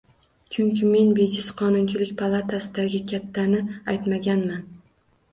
Chunki men bejiz Qonunchilik palatasidagi "katta" ni aytmaganman